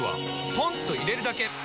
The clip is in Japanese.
ポンと入れるだけ！